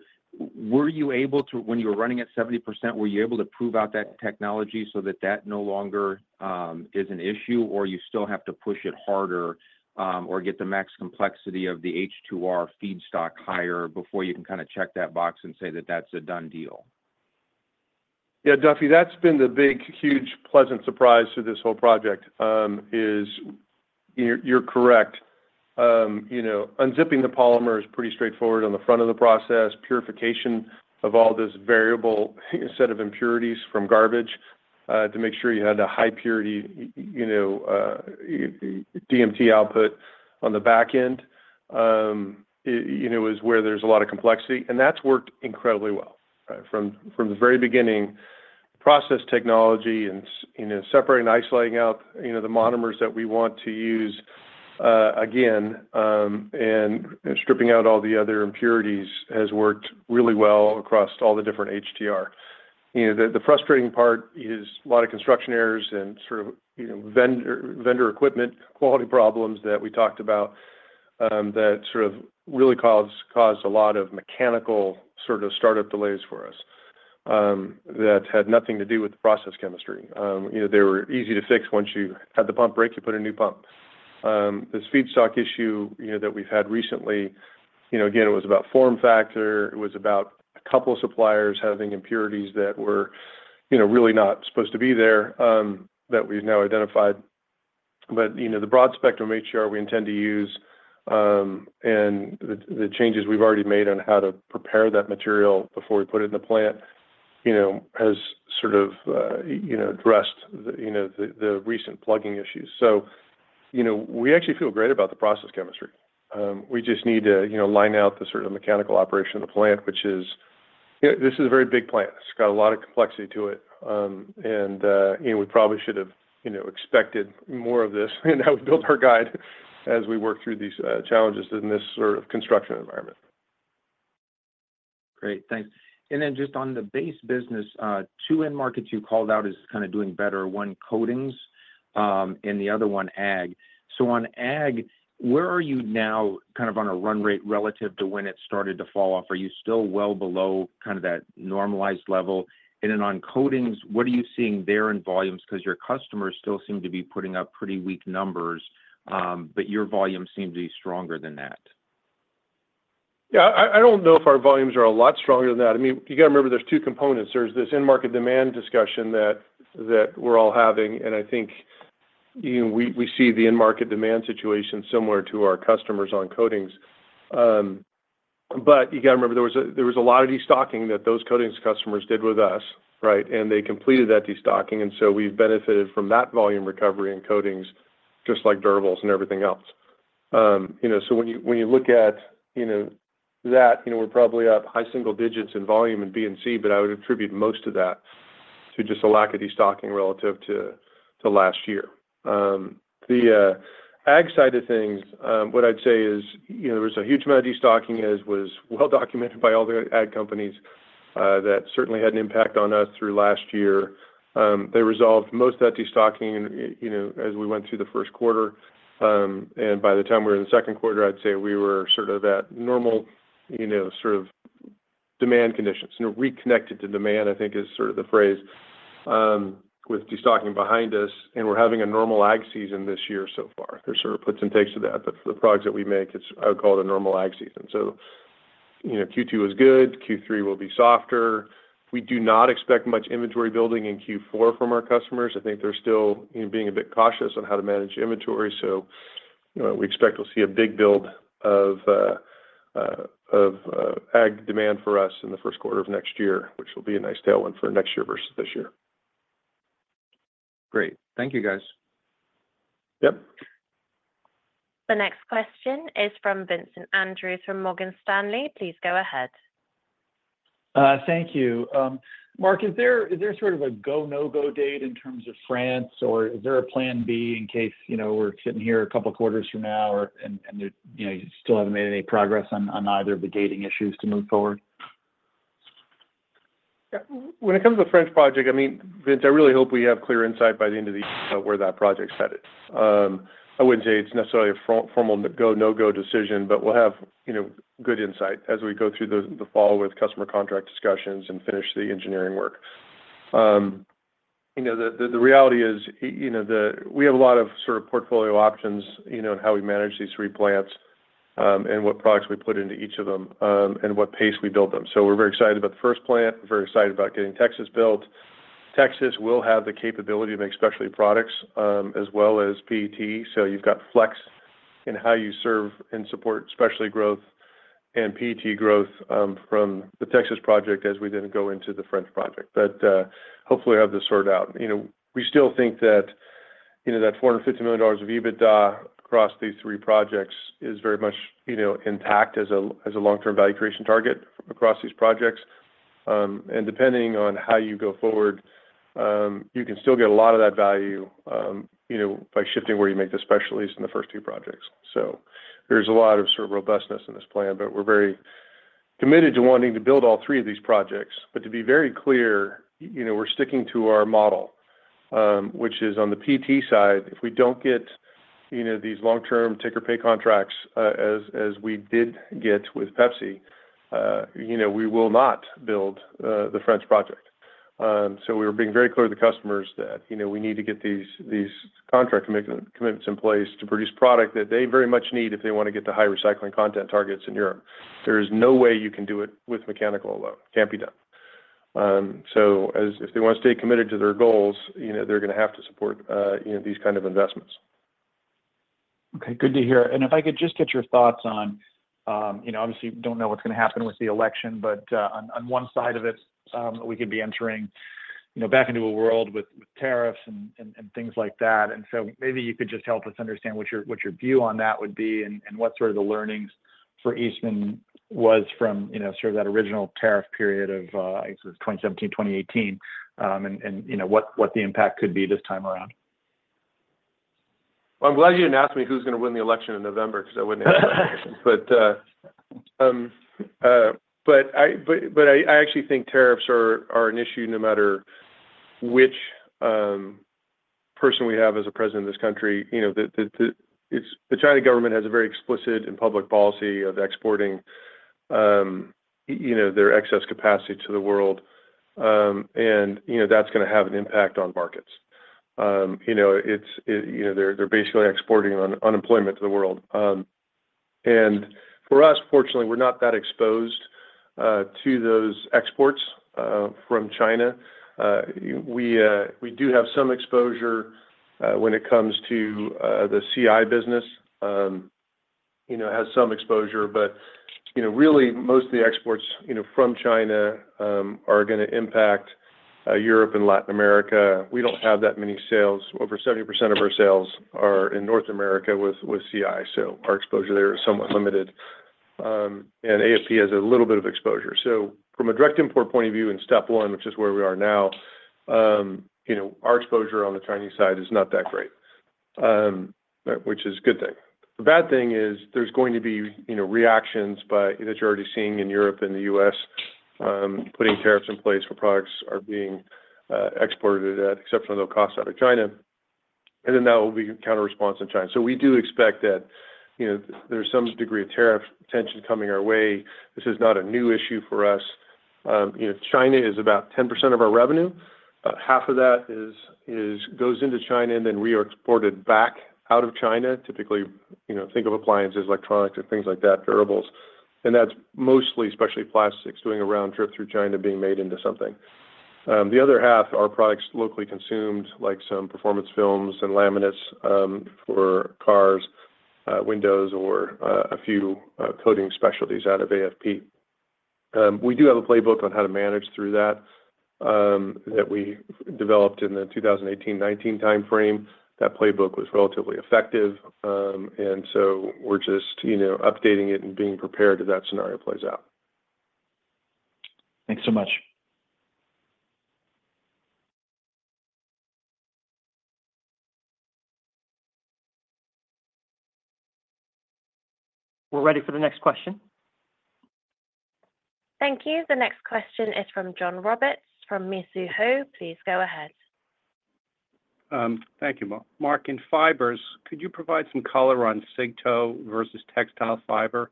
were you able to—when you were running at 70%, were you able to prove out that technology so that that no longer is an issue, or you still have to push it harder, or get the max complexity of the HTR feedstock higher before you can kind of check that box and say that that's a done deal? Yeah, Duffy, that's been the big, huge, pleasant surprise to this whole project is you're correct. You know, unzipping the polymer is pretty straightforward on the front of the process, purification of all this variable set of impurities from garbage to make sure you had a high purity, you know, DMT output on the back end you know, is where there's a lot of complexity, and that's worked incredibly well. From the very beginning, process technology and, you know, separating, isolating out, you know, the monomers that we want to use, again, and stripping out all the other impurities has worked really well across all the different HTR. You know, the frustrating part is a lot of construction errors and sort of, you know, vendor equipment, quality problems that we talked about, that sort of really caused a lot of mechanical sort of startup delays for us, that had nothing to do with the process chemistry. You know, they were easy to fix. Once you had the pump break, you put a new pump. This feedstock issue, you know, that we've had recently, you know, again, it was about form factor. It was about a couple of suppliers having impurities that were, you know, really not supposed to be there, that we've now identified. But, you know, the broad spectrum HTR we intend to use, and the changes we've already made on how to prepare that material before we put it in the plant, you know, has sort of, you know, addressed the recent plugging issues. So, you know, we actually feel great about the process chemistry. We just need to, you know, line out the sort of mechanical operation of the plant, which is... You know, this is a very big plant. It's got a lot of complexity to it. And, you know, we probably should have, you know, expected more of this and how we built our guide as we work through these challenges in this sort of construction environment. Great. Thanks. And then just on the base business, two end markets you called out is kind of doing better, one, coatings, and the other one, ag. So on ag, where are you now kind of on a run rate relative to when it started to fall off? Are you still well below kind of that normalized level? And then on coatings, what are you seeing there in volumes? Because your customers still seem to be putting up pretty weak numbers, but your volumes seem to be stronger than that.... Yeah, I don't know if our volumes are a lot stronger than that. I mean, you got to remember, there's two components. There's this end market demand discussion that we're all having, and I think, you know, we see the end market demand situation similar to our customers on coatings. But you got to remember, there was a lot of destocking that those coatings customers did with us, right? And they completed that destocking, and so we've benefited from that volume recovery in coatings, just like durables and everything else. You know, so when you look at that, you know, we're probably up high single digits in volume in B&C, but I would attribute most of that to just a lack of destocking relative to last year. The ag side of things, what I'd say is, you know, there was a huge amount of destocking, as was well documented by all the ag companies, that certainly had an impact on us through last year. They resolved most of that destocking, you know, as we went through the first quarter, and by the time we were in the second quarter, I'd say we were sort of at normal, you know, sort of demand conditions. You know, reconnected to demand, I think, is sort of the phrase, with destocking behind us, and we're having a normal ag season this year so far. There's sort of puts and takes to that, but for the products that we make, it's. I would call it a normal ag season. So, you know, Q2 was good, Q3 will be softer. We do not expect much inventory building in Q4 from our customers. I think they're still, you know, being a bit cautious on how to manage inventory, so, you know, we expect we'll see a big build of ag demand for us in the first quarter of next year, which will be a nice tailwind for next year versus this year. Great. Thank you, guys. Yep. The next question is from Vincent Andrews, from Morgan Stanley. Please go ahead. Thank you. Mark, is there sort of a go-no-go date in terms of France, or is there a plan B in case, you know, we're sitting here a couple quarters from now and, you know, you still haven't made any progress on either of the gating issues to move forward? Yeah, when it comes to the French project, I mean, Vince, I really hope we have clear insight by the end of the year about where that project's headed. I wouldn't say it's necessarily a formal go, no-go decision, but we'll have, you know, good insight as we go through the fall with customer contract discussions and finish the engineering work. You know, the reality is, you know, we have a lot of sort of portfolio options, you know, in how we manage these three plants, and what products we put into each of them, and what pace we build them. So we're very excited about the first plant, very excited about getting Texas built. Texas will have the capability to make specialty products, as well as PET. So you've got flex in how you serve and support specialty growth and PET growth, from the Texas project as we then go into the French project. But, hopefully, we'll have this sorted out. You know, we still think that, you know, that $450 million of EBITDA across these three projects is very much, you know, intact as a, as a long-term value creation target across these projects. And depending on how you go forward, you can still get a lot of that value, you know, by shifting where you make the specialties in the first two projects. So there's a lot of sort of robustness in this plan, but we're very committed to wanting to build all three of these projects. But to be very clear, you know, we're sticking to our model, which is on the PET side, if we don't get, you know, these long-term take-or-pay contracts, as we did get with Pepsi, you know, we will not build the French project. So we are being very clear to the customers that, you know, we need to get these contract commitments in place to produce product that they very much need if they want to get to high recycling content targets in Europe. There is no way you can do it with mechanical alone. Can't be done. So if they want to stay committed to their goals, you know, they're gonna have to support, you know, these kind of investments. Okay, good to hear. And if I could just get your thoughts on... You know, obviously, we don't know what's going to happen with the election, but, on, on one side of it, we could be entering, you know, back into a world with, with tariffs and, and, and things like that. And so maybe you could just help us understand what your, what your view on that would be and, and what sort of the learnings for Eastman was from, you know, sort of that original tariff period of, I guess, it was 2017, 2018, and, and, you know, what, what the impact could be this time around. Well, I'm glad you didn't ask me who's going to win the election in November, because I wouldn't know. But I actually think tariffs are an issue no matter which person we have as a president of this country. You know, the China government has a very explicit and public policy of exporting, you know, their excess capacity to the world, and, you know, that's gonna have an impact on markets. You know, they're basically exporting unemployment to the world. And for us, fortunately, we're not that exposed to those exports from China. We do have some exposure when it comes to the CI business, you know, has some exposure, but you know, really, most of the exports, you know, from China are gonna impact Europe and Latin America. We don't have that many sales. Over 70% of our sales are in North America with CI, so our exposure there is somewhat limited. And AFP has a little bit of exposure. So from a direct import point of view in step one, which is where we are now, you know, our exposure on the Chinese side is not that great, which is a good thing. The bad thing is there's going to be, you know, reactions by that you're already seeing in Europe and the U.S., putting tariffs in place for products are being exported at exceptionally low cost out of China, and then that will be a counterresponse in China. So we do expect that, you know, there's some degree of tariff tension coming our way. This is not a new issue for us. You know, China is about 10% of our revenue. About half of that goes into China, and then re-exported back out of China. Typically, you know, think of appliances, electronics, or things like that, durables. And that's mostly specialty plastics, doing a round trip through China, being made into something. The other half are products locally consumed, like some performance films and laminates, for cars, windows or a few coating specialties out of AFP. We do have a playbook on how to manage through that, that we developed in the 2018, 2019 timeframe. That playbook was relatively effective. And so we're just, you know, updating it and being prepared if that scenario plays out. Thanks so much. We're ready for the next question. Thank you. The next question is from John Roberts, from Mizuho. Please go ahead. Thank you. Mark, in Fibers, could you provide some color on cigarette tow versus textile fiber?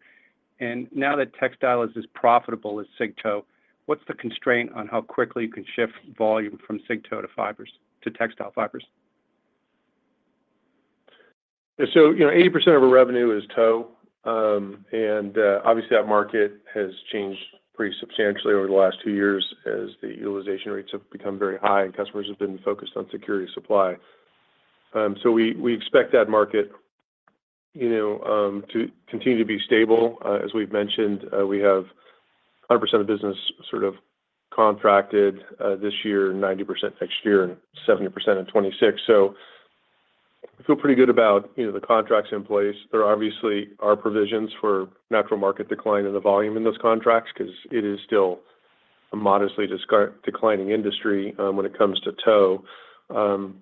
And now that textile is as profitable as cigarette tow, what's the constraint on how quickly you can shift volume from cigarette tow to Fibers—to textile fibers? So, you know, 80% of our revenue is tow. And, obviously, that market has changed pretty substantially over the last two years as the utilization rates have become very high, and customers have been focused on security of supply. So we, we expect that market, you know, to continue to be stable. As we've mentioned, we have 100% of business sort of contracted, this year, 90% next year, and 70% in 2026. So I feel pretty good about, you know, the contracts in place. There obviously are provisions for natural market decline in the volume in those contracts 'cause it is still a modestly declining industry, when it comes to tow. And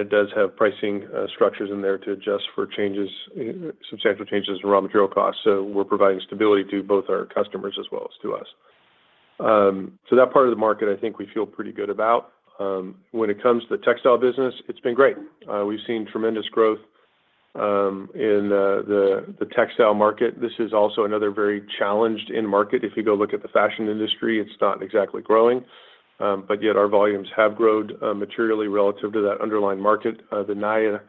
it does have pricing structures in there to adjust for changes, substantial changes in raw material costs. So we're providing stability to both our customers as well as to us. So that part of the market, I think we feel pretty good about. When it comes to the textile business, it's been great. We've seen tremendous growth in the textile market. This is also another very challenged end market. If you go look at the fashion industry, it's not exactly growing, but yet our volumes have grown materially relative to that underlying market. The Naia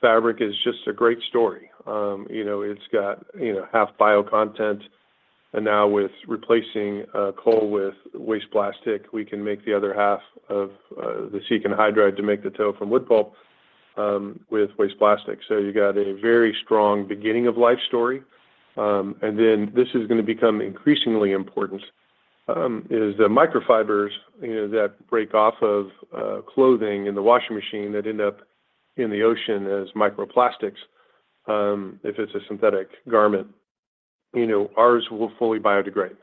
fabric is just a great story. You know, it's got, you know, half bio content, and now with replacing coal with waste plastic, we can make the other half of the acetic anhydride to make the tow from wood pulp with waste plastic. So you got a very strong beginning of life story, and then this is gonna become increasingly important, is the microfibers, you know, that break off of clothing in the washing machine that end up in the ocean as microplastics, if it's a synthetic garment. You know, ours will fully biodegrade.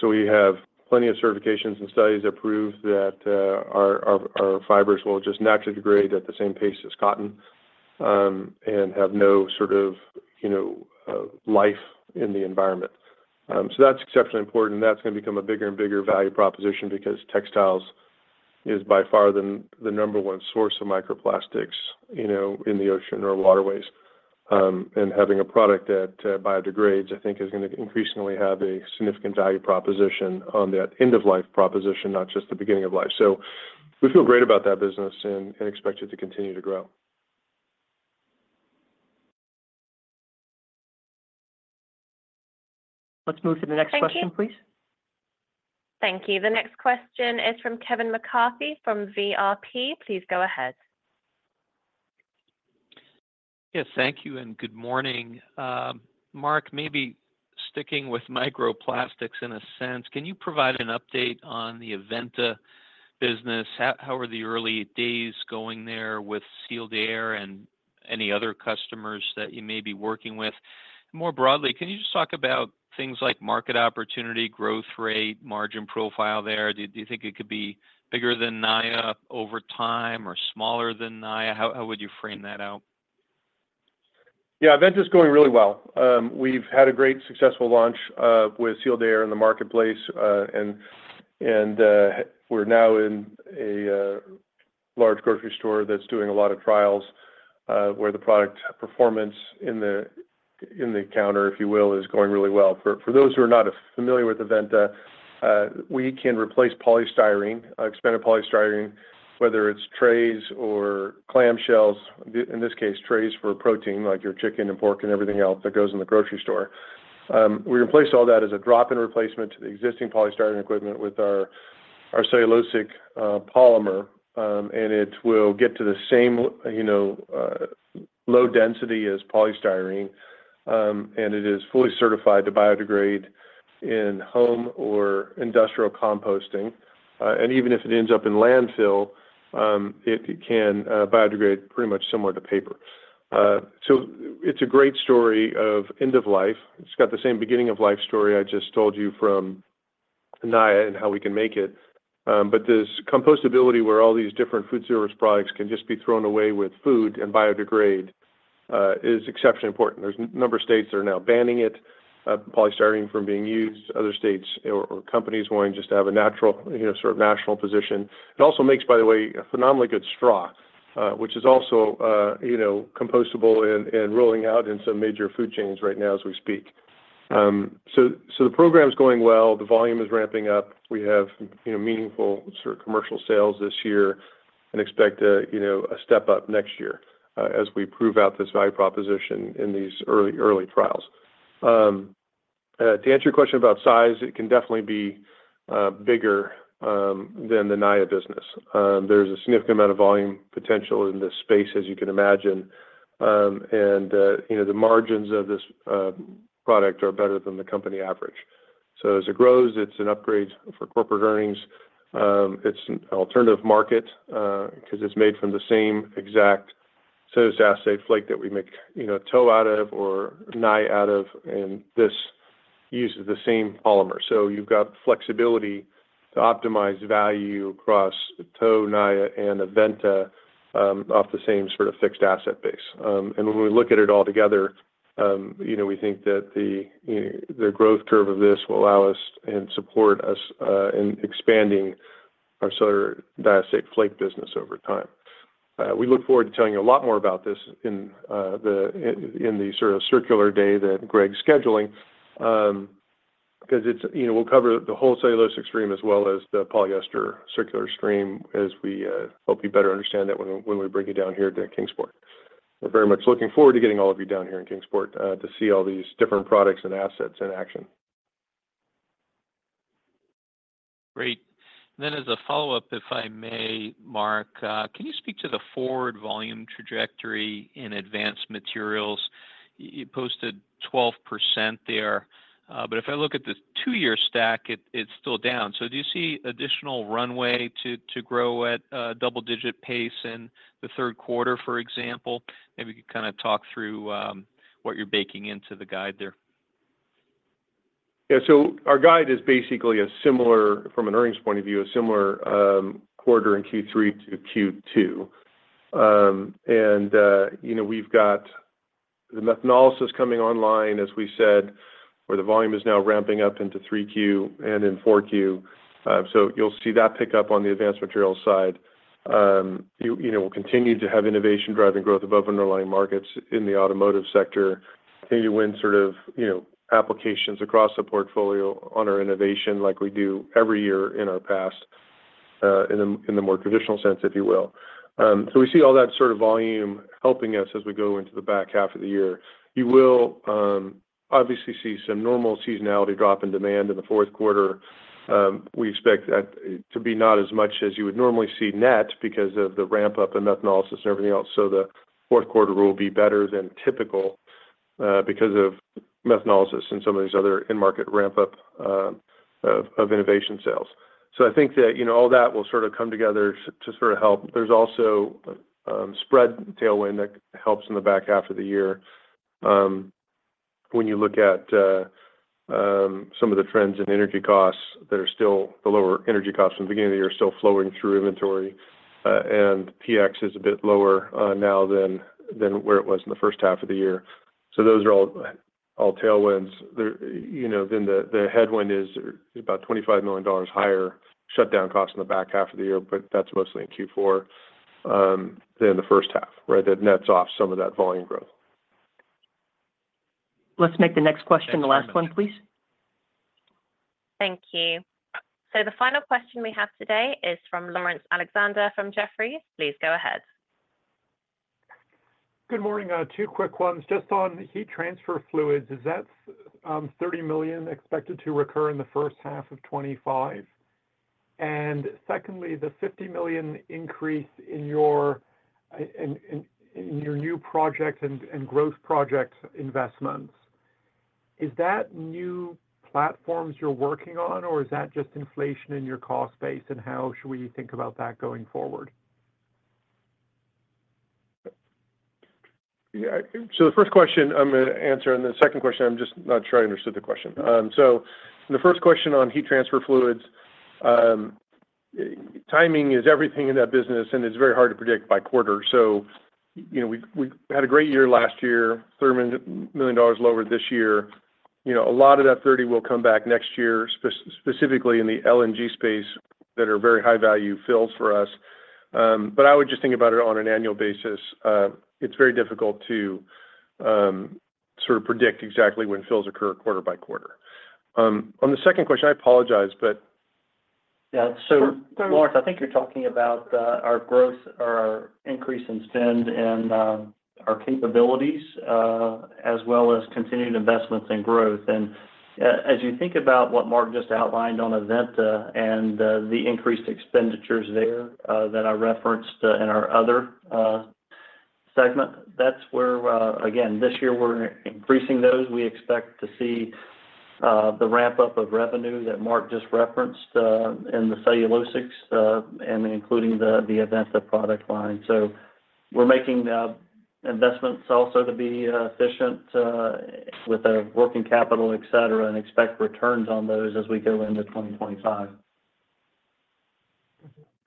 So we have plenty of certifications and studies that prove that, our fibers will just naturally degrade at the same pace as cotton, and have no sort of, you know, life in the environment. So that's exceptionally important, and that's gonna become a bigger and bigger value proposition because textiles is by far the number one source of microplastics, you know, in the ocean or waterways. And having a product that, uh, biodegrades, I think, is gonna increasingly have a significant value proposition on that end-of-life proposition, not just the beginning of life. So we feel great about that business and, and expect it to continue to grow. Let's move to the next question, please. Thank you. The next question is from Kevin McCarthy, from VRP. Please go ahead. Yes, thank you and good morning. Mark, maybe sticking with microplastics in a sense, can you provide an update on the Aventa business? How, how are the early days going there with Sealed Air and any other customers that you may be working with? More broadly, can you just talk about things like market opportunity, growth rate, margin profile there? Do you, do you think it could be bigger than Naia over time or smaller than Naia? How, how would you frame that out? Yeah, Aventa is going really well. We've had a great successful launch with Sealed Air in the marketplace, and we're now in a large grocery store that's doing a lot of trials, where the product performance in the counter, if you will, is going really well. For those who are not familiar with Aventa, we can replace polystyrene, expanded polystyrene, whether it's trays or clamshells, in this case, trays for protein, like your chicken and pork and everything else that goes in the grocery store. We replace all that as a drop-in replacement to the existing polystyrene equipment with our cellulosic polymer, and it will get to the same, you know, low density as polystyrene. And it is fully certified to biodegrade in home or industrial composting. And even if it ends up in landfill, it can biodegrade pretty much similar to paper. So it's a great story of end of life. It's got the same beginning of life story I just told you from Naia and how we can make it. But this compostability, where all these different food service products can just be thrown away with food and biodegrade, is exceptionally important. There's a number of states that are now banning it, polystyrene from being used. Other states or companies wanting just to have a natural, you know, sort of national position. It also makes, by the way, a phenomenally good straw, which is also, you know, compostable and rolling out in some major food chains right now as we speak. So the program is going well. The volume is ramping up. We have, you know, meaningful sort of commercial sales this year and expect a, you know, a step up next year, as we prove out this value proposition in these early, early trials. To answer your question about size, it can definitely be bigger than the Naia business. There's a significant amount of volume potential in this space, as you can imagine. You know, the margins of this product are better than the company average. So as it grows, it's an upgrade for corporate earnings. It's an alternative market because it's made from the same exact cellulose acetate flake that we make, you know, tow out of or Naia out of, and this uses the same polymer. So you've got flexibility to optimize value across tow, Naia, and Aventa off the same sort of fixed asset base. When we look at it all together, you know, we think that the growth curve of this will allow us and support us in expanding our cellulose acetate flake business over time. We look forward to telling you a lot more about this in the sort of circular day that Greg's scheduling, because it's... You know, we'll cover the whole cellulosic stream as well as the polyester circular stream, as we hope you better understand that when we bring you down here to Kingsport. We're very much looking forward to getting all of you down here in Kingsport to see all these different products and assets in action. Great. Then as a follow-up, if I may, Mark, can you speak to the forward volume trajectory in Advanced Materials? You posted 12% there, but if I look at the two-year stack, it's still down. So do you see additional runway to grow at a double-digit pace in the third quarter, for example? Maybe you could kind of talk through what you're baking into the guide there. Yeah. So our guide is basically a similar, from an earnings point of view, a similar, quarter in Q3 to Q2. And, you know, we've got the methanolysis coming online, as we said, where the volume is now ramping up into Q3 and in Q4. So you'll see that pick up on the Advanced Materials side. You know, we'll continue to have innovation driving growth above underlying markets in the automotive sector, continue to win sort of, you know, applications across the portfolio on our innovation like we do every year in our past, in the more traditional sense, if you will. So we see all that sort of volume helping us as we go into the back half of the year. You will, obviously, see some normal seasonality drop in demand in the fourth quarter. We expect that to be not as much as you would normally see net because of the ramp-up in methanolysis and everything else. So the fourth quarter will be better than typical, because of methanolysis and some of these other end-market ramp-up, of innovation sales. So I think that, you know, all that will sort of come together to sort of help. There's also, spread tailwind that helps in the back half of the year. When you look at, some of the trends in energy costs, that are still the lower energy costs from the beginning of the year are still flowing through inventory, and PX is a bit lower, now than where it was in the first half of the year. So those are all tailwinds. You know, then the headwind is about $25 million higher shutdown costs in the back half of the year, but that's mostly in Q4 than the first half, right? That nets off some of that volume growth. Let's make the next question the last one, please. Thank you. So the final question we have today is from Laurence Alexander, from Jefferies. Please go ahead. Good morning. Two quick ones. Just on heat transfer fluids, is that $30 million expected to recur in the first half of 2025? And secondly, the $50 million increase in your new projects and growth projects investments, is that new platforms you're working on, or is that just inflation in your cost base, and how should we think about that going forward? Yeah. So the first question I'm going to answer, and the second question, I'm just not sure I understood the question. So the first question on heat transfer fluids, timing is everything in that business, and it's very hard to predict by quarter. So, you know, we had a great year last year, $13 million lower this year. You know, a lot of that $30 million will come back next year, specifically in the LNG space, that are very high-value fills for us. But I would just think about it on an annual basis. It's very difficult to sort of predict exactly when fills occur quarter by quarter. On the second question, I apologize, but- Yeah. So Laurence, I think you're talking about our growth or our increase in spend and our capabilities, as well as continued investments in growth. As you think about what Mark just outlined on Aventa and the increased expenditures there, that I referenced in Other segment, that's where, again, this year we're increasing those. We expect to see the ramp-up of revenue that Mark just referenced in the cellulosics and including the Aventa product line. So we're making investments also to be efficient with our working capital, et cetera, and expect returns on those as we go into 2025.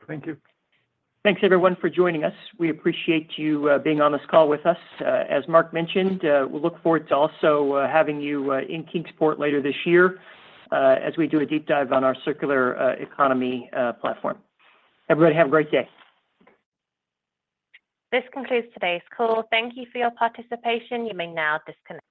Thank you. Thanks, everyone, for joining us. We appreciate you being on this call with us. As Mark mentioned, we look forward to also having you in Kingsport later this year, as we do a deep dive on our circular economy platform. Everybody, have a great day. This concludes today's call. Thank you for your participation. You may now disconnect.